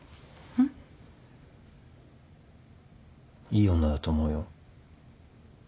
いい女だと思うよ。